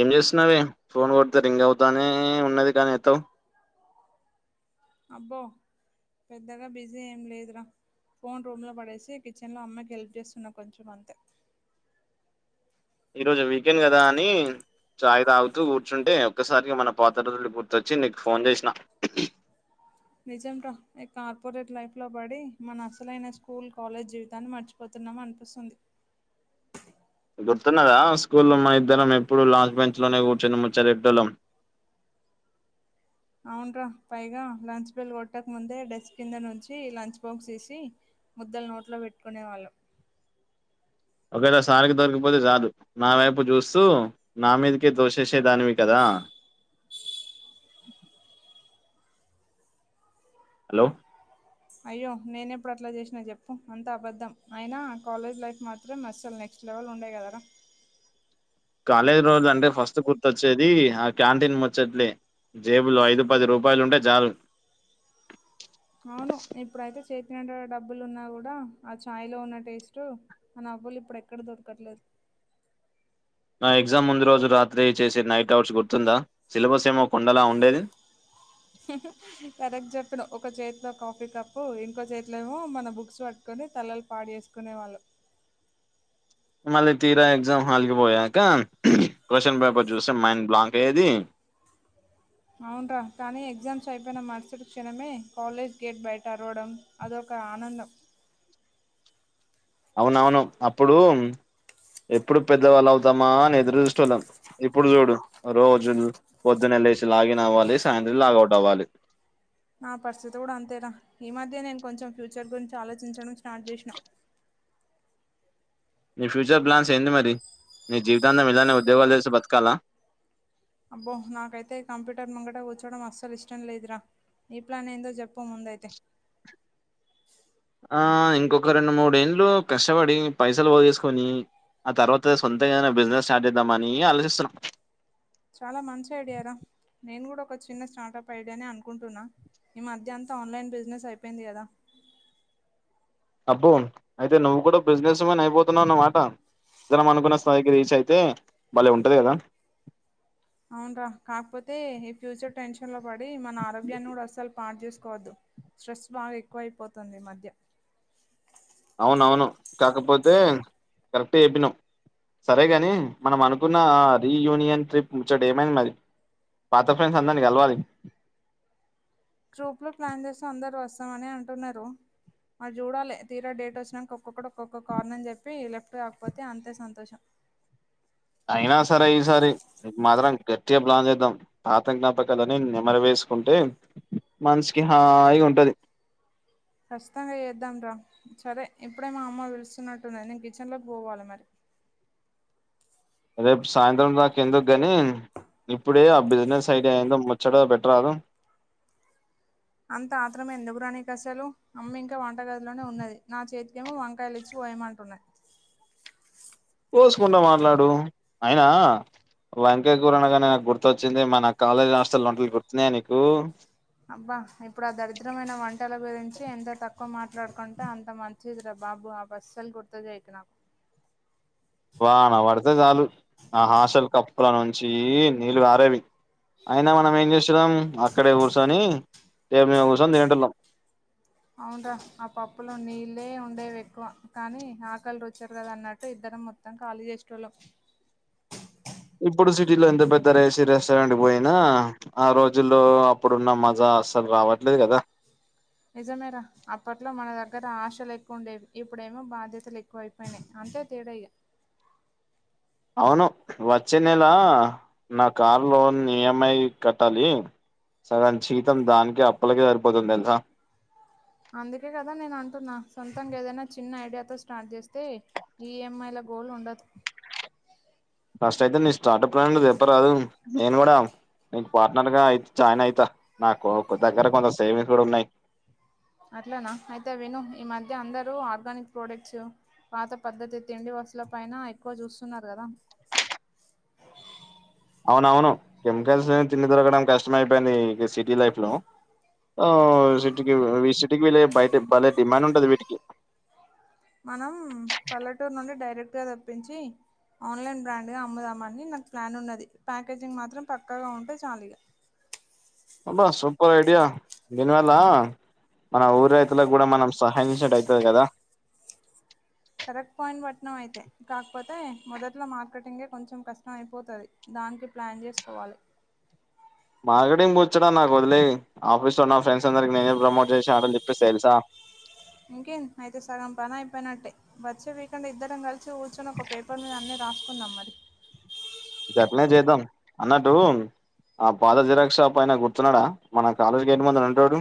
ఏం చేస్తున్నావే ఫోన్ గొడితే రింగ్ అవుతానే ఉన్నది గానీ ఎత్తవ్ అబ్బో పెద్దగా బిజీ ఏం లేదురా ఫోన్ రూమ్ లో పడేసి కిచెన్ లో అమ్మకి హెల్ప్ చేస్తున్నా కొంచెం అంతే ఈ రోజు వీకెండ్ గదా అని చాయ్ తాగుతూ కూర్చుంటే ఒక్కసారికి మన పాత రోజులు గుర్తొచ్చి నీకు ఫోన్ చేసిన నిజం రా ఈ కార్పొరేట్ లైఫ్ లో బడి మన అసలైన స్కూల్ కాలేజ్ జీవితాన్ని మర్చిపోత్ అనిపిస్తుంది గుర్తున్నదా స్కూల్లో మ ఇద్దరం ఎప్పుడు లాస్ట్ బెంచ్ లోనే కూర్చుని ముచ్చ ఎటోలం [inaudible] అవున్రా పైగా లంచ్ బెల్ కొట్టక ముందే డెస్క్ కింద నుంచి లంచ్ బాక్స్ దీసి ముద్దల్ నోట్లో పెట్టుకునే వాళ్ళం ఒకవేళ సార్కి దొరికిపోతే గాదు నా వైపు జూస్తూ నా మీదకే దోసేసేదానివి కదా [inaudible] హలో అయ్యో నేనెప్పుడట్ల చేసినా జెప్పు అంతా అబద్ధం అయినా కాలేజ్ లైఫ్ మాత్రం మసుల్నే లెవలు ఉండయి గదరా కాలేజీ రోజులు అంటే ఫస్ట్ గుర్తొచ్చేది ఆ క్యాంటీన్ ముచ్చట్లే జేబులో ఐదు పది రూపాయలు ఉంటే జాలు [inaudible] అవును ఇప్పుడైతే చేతినిండ డబ్బులు ఉన్నా గుడా ఆ చాయ్ లో ఉన్న టేస్ట్ బులు ఇప్పుడెక్కడ దొరకట్లేదు నా ఎగ్జామ్ ముందు రోజు రాత్రి చేసే నైట్ అవుట్స్ గుర్తుందా సిలబస్ ఏమో కొండలా ఉండేది [inaudible] కరెక్ట్ చెప్పినవ్ ఒక చేతిలో కాఫీ కప్పు ఇంకో చేతిలో ఏమో మన బుక్స్ పట్టుకుని తల్లలు పాడేసుకునేవాళ్ళు మళ్ళీ తీరా ఎగ్జామ్ హాల్కిపోయాక క్వశ్చన్ పేపర్ చూస్తే మైండ్ బ్లాక్ అయ్యేది [inaudible] అవున రా కానీ ఎగ్జామ్స్ అయిపోయిన మరుసడు క్షణమే కాలేజ్ గేట్ బయట అరవడం అదొక ఒక ఆనందం అవునవును అప్పుడు ఎప్పుడు పెద్దవాళ్ళు అవుతామా అని ఎదురు చూసుళ్ళం ఇప్పుడు చూడు రోజులు పొద్దున్నె లేేసి లాగిన్ అవ్వాలి సాయంత్రం లాగవుట్ అవ్వాలి నా పరిస్థితి కూడా అంతేరా ఈ మధ్య నేను కొంచెం ఫ్యూచర్ గురించి ఆలోచించడం స్టార్ట్ చేసినా [inaudible] నీ ఫ్యూచర్ ప్లాన్స్ ఏంది మరి నీ జీవితాంతం ఇలానే ఉద్యోగాలు తెసి బతకాలా అబ్బో నాకైతే కంప్యూటర్ ముంగట కూర్చోడం అస్సలు ఇష్టం లేదురా ఇట్లానే ఏందో చెప్పముందయితే ఆ ఇంకొక రెండు మూడేళ్ళు కష్టపడి పైసలు పోగేసుకొని ఆ తర్వాత సొంతంగా ఏదైనా బిజినెస్ స్టార్ట్ చేద్దామని ఆలోచిస్తున్నాం చాలా మంచి ఐడియార నేను కూడా ఒక చిన్న స్టార్టప్ ఐడియాని అనుకుంటున్నా ఈ మధ్య అంతా ఆన్లైన్ బిజినెస్ అయిపోయింది కదా అబ్బో అయితే నువ్వు కూడా బిజినెస్ మన్ అయిపోతున్నావు అన్నమాట జనం అనుకున్న స్థాయికి రీచ్ అయితే బాలే ఉంటది కదా అవున రా కాకపోతే ఈ ఫ్యూచర్ టెన్షన్ లో పడి మన ఆరోగ్యాన్ని కూడా అస్సలు పాట చేసు కోదు స్ట్రెస్ బాగా ఎక్కువ అయిపోతుంది ఈ మధ్య అవునవును కాకపోతే కరెక్ట్ చెబినాం సరేగాని మనం అనుకున్న రీయూనియన్ ట్రిప్ ముచ్చడ ఏమైంది మరి పాత ఫ్రెండ్స్ అందారీనీ కలవాలి ట్రూప్ లో ప్లాన్ చేస్త అందరూ వస్తామనే అంటున్నారు మరి చూడాలి తీరా డేట్ వచ్చినాక ఒక్కొక్క ఒక్కొక్క కార్న అని చెప్పి లెఫ్ట్ కాకపోతే అంతే సంతోషం అయినా సరే ఈసారి మాత్రం గట్టిగా ప్లాన్ చేద్దాం పాత జ్ఞాపకాలు అని నిమర వేసి తీసుకుంటే మనషకి హాయగా ఉంటది కఖచ్చితంగా చేద్దాం రా సరే ఇప్పుడే మా అమ్మ వెలుస్తున్నట్టున్న నేను కిచెన్ లోకి పోవాలి మరి రేపు సాయంత్రం నాక ఎందుకుగానీ ఇప్పుడే ఆ బిజినెస్ ఐడియా అయిందో ముచ్చడ పేట రాదు అంత ఆత్రమే ఎందుకురా నీకు అసలు అమ్మ ఇంకా వంట గదిలోనే ఉన్నది నా చేతికి ఏమో వంకాయలు ఇచ్చు పోయమంటున్నా కోసుకుంటా మాట్లాడు అయినా వంకయ్య కూరనగానే నాకు గుర్తొచ్చింది మా నా కాలేజీ హాస్టల్ ఒంటలు గుర్తున్నాయా నీకు అబ్బా ఇప్పుడు ఆ దరిద్రమైన వంటల గురించి ఎంత తక్కువ మాట్లాడుకుంటే అంత మంచిది రబ్బా బాబు ఆ బస్సలు గుర్తు చేయకు నాకు వన పడితే చాలు ఆ హాస్టల్ కప్పుల నుంచి నీళ్ళు కరేవి అయినా మనం ఏం చేస్తున్నాం అక్కడే కూర్చొని టేబుల్ మీద కూర్చొని తినేటోళ్లం అవునరా ఆ పప్పులు నీళ్ళ ఉండేవి ఎక్కువ కానీ ఆకలి ర వచ్చారు కదా అన్నట్టు ఇద్దరు మొత్తం ఖాళీ చేసెటోళ్ళం ఇప్పుడు సిటీలో ఎంత పెద్ద రేసి రెస్టారెంట్ బొయినా ఆ రోజుల్లో అప్పుడున్న మజా అస్సలు రావట్లేదు గదా అ నిజమేరా అప్పట్లో మన దగ్గర ఆశలు ఎక్కువ ఉండేవి, ఇప్పుడేమో బాధ్యతలు ఎక్కువ అయిపోయినయ్ అన్. సో తేడా ఇగ అవును వచ్చే నెల నా car loan E M I కట్టాలి సగం జీతం దానికే అప్పులకే సరిపోతుంది దెల్సా అందుకే గదా నేను అంటున్నా సొంతంగ ఏదన్న చిన్న ఐడియాతో స్టార్ట్ జేస్తే ఈ ఎం ఐ ల. గోల్ ఉండదు ఫష్ట్ అయితే నీ స్టార్టప్ ప్లాను జెప్పరాదు నేను గూడా నీకు పార్ట్నర్ గా అయి జాయిన్ అయితా నాకు ఒక దగ్గర కొంత సేవింగ్స్ కూడా ఉన్నయ్ అట్లనా అయితే విను, ఈ మధ్య అందరూ ఆర్గానిక్ ప్రోడక్ట్స్, పాత పద్ధతి తిండి వ. అసుల పైన ఎక్కువ జూస్సున్నారు గదా అవునవును కెమికల్సే తిండి దొరకడం కష్టం అయిపోయింది ఈ సిటీ లైఫ్ లో ఆ సిటీకి ఈ సిటీకిలే బయట భలే డిమాండ్ ఉంటది వీటికి మనం పల్లెటూరు నుండి డైరెక్ట్గా దెప్పించి ఆన్లైన్ బ్రాండ్ గా అమ్ముదామని నాకు ప్లాన్ ఉన్నది, ప్యాకేజింగ్ మాత్రం పక్కాగా ఉంటే చాలు ఇగ. అబ్బా సూపర్ ఐడియా దినాలా మన ఊరి రైతులకు గూడా మనం సహాయం ఏశ్నట్ అయితది గదా కరెక్ట్ పాయింట్ బట్నవ్ అయితే కాక్పోతే మొదట్లో మార్కెటింగే కొంచెం కష్టం అయిపోతది దానికి ప్లాన్ చేసుకోవాలె మార్కెటింగ్ ముచ్చడ నాకు వదిలేయ్, ఆఫీస్ లో నా ఫ్రెండ్స్ అందరి నేనే ప్రమోట్ చేసి ఆడ చెప్పి సేల్సా. ఇంకేన్ అయితే సగం పని అయిపోయినట్టే వచ్చే వీకెండ్ ఇద్దరం గల్ చి గూర్చుందం ఒక పేపర్ మీద అన్నీ రాసుకుందాం మరి గట్నే చేద్దాం అన్నట్టూ ఆ పాద జిరాక్ షాప్ అయిన గుర్తున్నడా మన కాలేజ్ గేట్ ముందర ఉంటాడు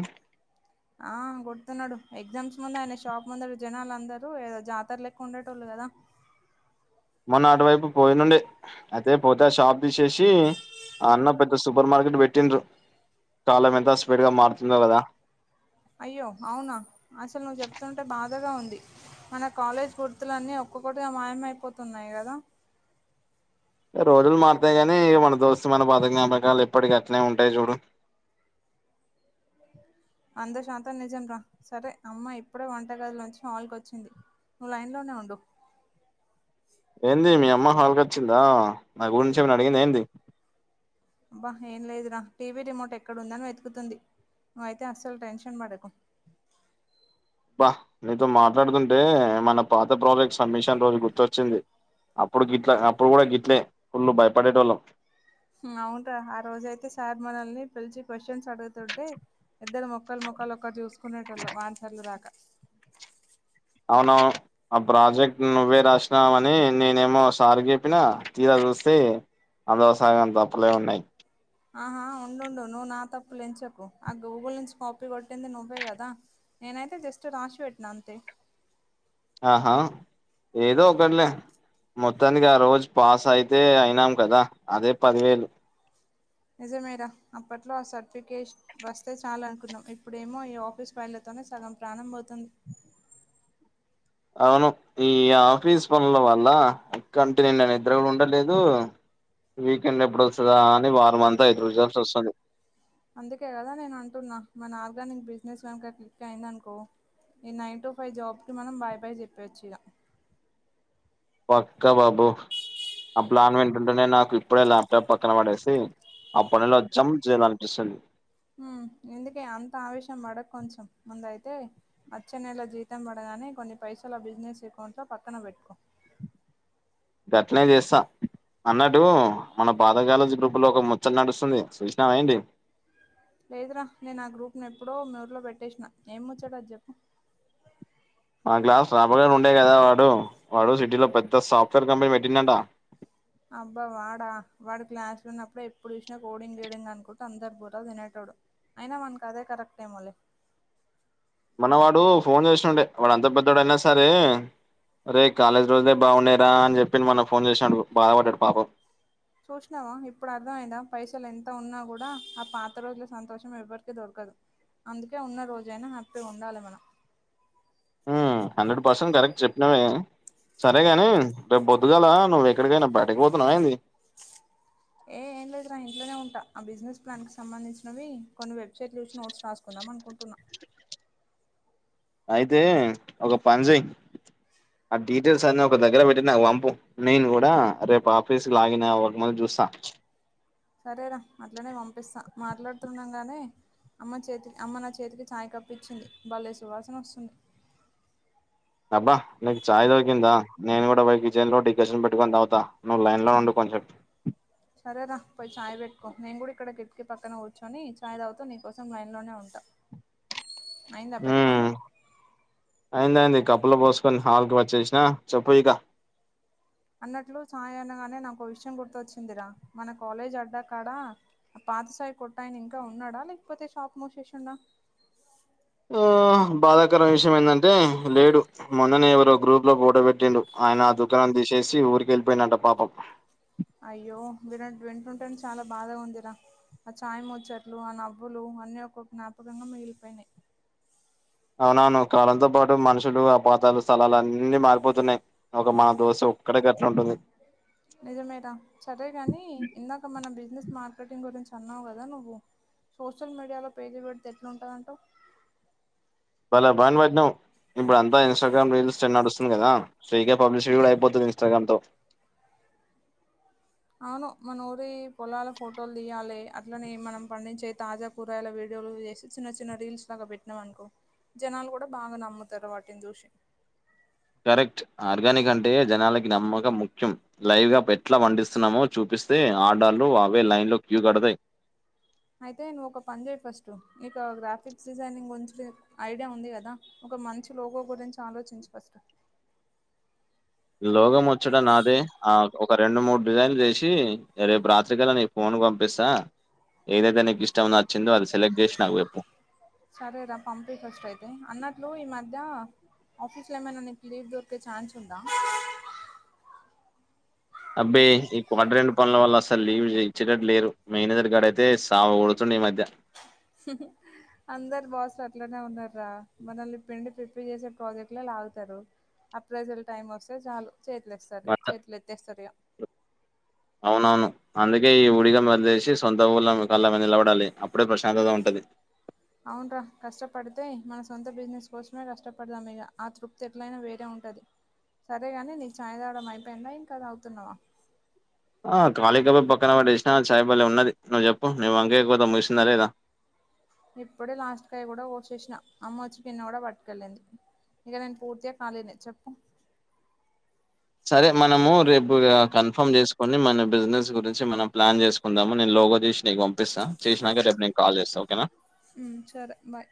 ఆ గుర్తున్నాడు ఎగ్జామ్స్ ముందు, ఆయన షాప్ ముందల్ జనాలు అందరూ ఏదో జాతర లెక్క ఉండేటోళ్ళు గదా. మొన్న అటువైపు పోయినుండే అయితే పోతే షాప్ తీశేశీ ఆ అన్న పెద్ద సూపర్ మార్కెట్ వెట్టిండ్రు కాలం ఎంత స్పీడ్ గా మారుతుందో గదా అయ్యో అవునా అసలు నువ్ జెప్తుంటే బాధగా ఉంది మన కాలేజ్ గుర్తులన్నీ ఒక్కొక్కటిగా మాయం అయిపోతున్నాయి గదా రోజులు మారుతాయి గానీ ఇగ మన దోస్తు మన పాత జ్ఞాపకాలు ఎప్పటిక అట్నే ఉంటాయి జూడు అంద శాతం నిజం రా సరే అమ్మ ఇప్పుడే వంటగదులోంచి హళ్కొచ్చింది లైన్లోనే ఉండు ఏంది మీ అమ్మ హాల్ కొచ్చిందా నా గూంచి ఏమన అడిగిందా ఏంది అబ్బా ఏం లేదురా టీవీ రిమోట్ ఎక్కడ ఉందని వెతుకుతుంది ను అయితే అస్సల్ టెన్షన్ బడకు అబ్బా నీతో మాట్లాడుతుంటే మన పాత ప్రాజెక్ట్ సమ్మిషన్ రోజు గుర్తొచ్చింది అప్పుడు గిట్ల అప్పుడు గూడా గిట్లే ఫుల్ళు భయపడేటోళ్ళం హు అవును ఆ రోజైతే సార్ మనల్ని పిలిచి క్వశ్చన్స్ అడుగుతుట్టే ఇద్దరం ఒ ఒకల్ మోకాల్ ఒకర్ చూసుకునేటోళ్లు ఆన్సర్లు రాక అవును ఆ ప్రాజెక్ట్ నువ్వే రాసినవ్ అని నేనేమో సార్ చెప్పినా తీరా చూస్ తే అదోసాయం దప్పులో ఉన్నయ్ ఆహా ఉండుండు నువ్వు నా తప్పు లేంచకు ఆ గూగుల్ నుంచి కాపీ కొట్టింది నువ్వే కదా నేనైతే జస్ట్ రష్ పెట్న అంతే ఆహా ఎదో ఒకట్లే మొత్తానికి ఆ రోజు పాస్ అయితే అయినాం కదా అదే పదివేలు నిజమేర అప్పట్లో ఆ సర్టిఫికేష్ వస్తే చాల్ అనుకున్నాం ఇప్పుడేమో ఈ ఆఫీస్ ఫైలతో ఆమె సగం ప్రాణం పోతుంది అవును ఈ ఆఫీస్ పనుల వల్ల ఉక్కంటినిండ నిద్ర ఉండట్లేదు వీకెండ్ ఎప్పుడోస్తాద అని వారం అంతా ఎదురు చూస్తా వస్తుంది అందుకే కదా నేను అంటున్నా మన ఆర్గానిక్ బిజినెస్ గనక క్లిక్ అయిందనుకో ఈ నైన్ టు ఫైవ్ జాబ్ కి మనం బాయ్ బాయ్ చెప్పేయచ్చు ఇగ పక్క బాబు అ ప్లాన్ వింటుంటునే నాకు ఇప్పుడే ల్యాప్టాప్ పక్కన పడేసి అ పని లో అచ్చం చెలనిపిస్తాది హ్మ్ ఇందుకే తే అచ్చే నెల జీతం పడగానే కొన్ని పైసల బిజినెస్ అకౌంట్లో పక్కన వెట్కో గట్నే చేస్తా అన్నట్టు మన పాతకాలజీ గ్రూప్ లో ఒక ముచ్చట నడుస్తుంది సూష్నవ ఏంటి లేదురా నేను ఆ గ్రూప్ ను ఎప్పుడో మ్యూట్లో పెట్టేసిన ఏం ముచ్చాడు అది చెప్పు మా క్లాస్ రాబోయో ఉండే కదా వాడు వాడు సిటీలో పెద్ద సాఫ్ట్వేర్ కంపెనీ పెట్టిండంట అబ్బ వాడా వాడు క్లాస్లున్నప్పుడే ఎప్పుడు చూసినా కోడింగ్ గిడింగ్ అనుకుంటే అందర్ బుర్ర తినేటోడు అయిన మన్కదే కరెక్ట్ ఏమోలే మనవాడు ఫోన్ చేష్తుండే వాడు అంత పెద్దోడయినా సరే రే కాలేజ్ రోజులేే బాగుండేరా అని చెప్పిన్ మొన ఫోన్ చేసినాడు బాధపడ్డాడు పాపం చూష్నావ ఇప్పుడు అర్థం అయిందా పైసలు ఎంత ఉన్నా కూడా ఆ పాత రోజుల సంతోషం ఎవర్కీ దొరకదు అందుకే ఉన్న రోజయినా హ్యాపీగుండాలే మనం హ్ హండ్రెడ్ పర్సెంట్ కరెక్ట్ చెప్పినావే సరేగాని రేప్ బొద్దుగాల నువేక్కడికైనా బయటకు పోతున్నావ ఏంది ఏ ఏం లేదు రా ఇంట్లనే ఉంటా ఆ బిజినెస్ ప్లాన్ కి సంబంధించినవి కొన్ని వెబ్సైట్లు చూస్ నోట్స్ రాసుకుందం దమన్కుంటున్న అయితే ఒక పంజేయ్ ఆ డీటెయిల్స్ అన్ ఒక దగ్గర పెట్టి నాక్ వంపు నేన్ కూడా రేపు ఆఫీస్ లాగిన్ అవ్వకముంద్ జు స సరేరా అట్లనే పంపిస్తా మాట్లాడుతుండగానే అమ్మ చేతి అమ్మ నా చేతికి చాయ కప్ ఇచ్చింది బలే సువాసనోస్తుంది అబ్బ నీకు చాయ్ దొరికిందా నేను కూడా పోయి కిచెన్లో డికషన్ పెట్టుకుని తాగుత నువ్ లైన్లో ఉండు ప లెఫ్ట్ సరేరా పోయి చాయ్ పెట్కో నేను కూడా ఇక్కడ కిట్ కి పక్కన కూర్చొని చాయ్ తాగుతూ నీకోసం లైన్లోనే ఉంట అయిందా పెట్కోండు హ్మ్ కప్పుల పోసుకొని సాల్క్ వచ్చేసిన చెప్పు ఇక అన్నట్లు చాయ్ అనగానే నాకో విషయం గుర్తొచ్చిందిరా మన కాలేజ్ అడ్డాకాడ పాత స్ టాయ్ కొటైనింక ఉన్నాడా లేకపోతే షాప్ మోసేసిండ ఓహ బాధాకరం విషయం ఏంటంటే లేడు మొన్ననే ఎవరో గ్రూప్ లో ఫోటో పెట్టిండు ఆయన ఆ దుకాణం తీసేసి ఊరికి వెళ్ళిపోయినంట పాపం అయ్యో విర వింటుంటేనే చాలా బాధగా ఉందిరా ఆ చాయ్ మూచ్చట్లు, ఆ నవ్వులు అన్నీ ఒక జ్ఞాపకంగా మిగిలిపోయినాయి. అవునవును కాలంతో పాటు మనుషులు ఆపాతాలు స్థలాలు అన్నీ మారిపోతున్నాయి ఒక మ కోషం ఒక్కడే గట్లా ఉంటుంది. నిజమేనా సరే కాని ఇందాక మన బిజినెస్ మార్కెటింగ్ గురించి అన్నావు కదా నువ్వు సోషల్ మీడియాలో పేజీలు పెడితే ఎట్లుంటుందంటవ్? త భాను వెట్టినావ్ ఇప్పుడ అంతా ఇన్సట్రాగ్రామ్ రీల్స్ చే నడుస్తుంది కదా ఫ్రీగా పబ్లిసిటీ కూడా అయిపోతది ఇన్స్టాగ్రామ్ తో అవును మన ఊరి పొలాల ఫోటోలు తీయాలి అట్లనే మనం పండించే తాజా కూరగాయల వీడియోలు చేసి చిన్న చిన్న రీల్స్ లాగా పెట్టినావ్ అనుకో జనాలు కూడా బాగా నమ్ముతారు వాటిని చూసి కరెక్ట్ ఆర్గానిక్ అంటే జనాలకి నమ్మకం ముఖ్యం. లైవ్ గా పెట్లా పండిస్తున్నామో చూపి స్తే ఆడల్లు అవే లైన్ లో క్యూ కడతాయ్ అయితే నువ్ ఒక పని చెయి ఫస్ట్ ఇక గ్రాఫిక్స్ డిజైనింగ్ గురించి ఐడియా ఉంది కదా. ఒక మంచి లోగో గురించి ఆలోచించు ఫస్ట్ లోగం వచ్చడ నాదే ఆ ఒక రెండు మూడు డిజైన్లు చేసి రేపు రాత్రికల నీ ఫోన్ నువ్ పంపిస్తా ఏదైతే నీకు ఇష్టం నచ్చిందో అది సెలెక్ట్ చేసి నాకు వెప్పు సరేరా పంపియ్ పొస్ట్ అయితే అన్నట్లు ఈ మధ్య ఆఫీస్ లో ఏమన్న నీకు లీవ్ దొరికే ఛాన్స్ ఉందా? అబ్బే ఈ క్వటర్ రెండు పనుల వల్ల అసలు లీవ్ ఇచ్చేటట్టు లేరు. మేనేజర్ గాడు అయితే సావ గొడతాడు. ని మధ్య హుహు్ అందరు బాసులు అట్లనే ఉన్న రా మనల్ని పిండి పిప్పి చేసే ప్రాజెక్ట్ లే లాగుతారు. ఆ ప్రెజర్ టైం వస్తే చాలు చేతిలు ఏస్తారు బట్ చేతులు ఎత్తేస్తారు ఇగ అవునవును అందుకే ఈ ఊడిగం వదిలేసి సొంత ఊళ్ళ కల్ల నిలబడాలి అప్పుడే ప్రశాంతత ఉంటది. లె అవునరా కష్టపడితే మన సొంత బిజినెస్ కోసమే కష్టపడదాం ఇగ ఆ తృప్తి ఎట్లైనా వేరే ఉ దది సరేగాని నీ చాయ్ తాగడం అయిపోయింద ఇంకా తాగుతున్నావా? ఆ ఖాళీకబ పక్కన పడేసినా చాయ్ బలే ఉన్నది. నువ్వు చెప్పు నువ్వు అంకపోతా ముగిసిందా లేదా? ఇప్పుడే లాస్ట్కాయ కూడా పోసేసిన అమ్మ వచ్చి పిన్న కూడా పట్టుకెళ్ళింది. ఇంక నేను పూర్తిగా కాలేనే చెప్పు సరే మనము రేపు ఇగ కన్ఫర్మ్ చేసుకుని మన బిజినెస్ గురించి మనం ప్లాన్ చేసుకుందాము నే లో ఫోన్ చేసి నీకు పంపిస్తా చేసినాక రేపు నేను కాల్ చేస్తా ఓకేనా మ్ సరే బాయ్